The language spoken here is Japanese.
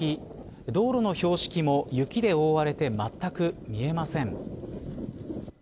道路の標識も雪で覆われてまったく見えません。